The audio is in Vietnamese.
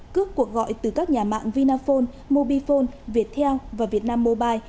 cước cuộc gọi từ các nhà mạng vinaphone mobifone viettel và vietnam mobile